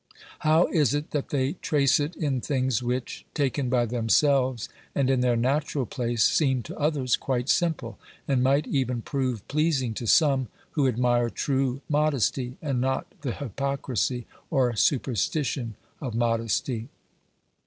How is it that they trace it in things which, taken by themselves and in their natural place, seem to others quite simple, and might even prove pleasing to some who admire true modesty and not the hypocrisy or superstition of modesty.